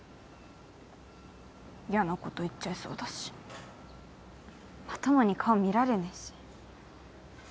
嫌なこと言っちゃいそうだしまともに顔見られねえし。